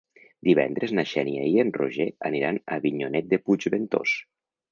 Divendres na Xènia i en Roger aniran a Avinyonet de Puigventós.